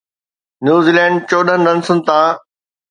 New Zealand چوڏهن رنسن تان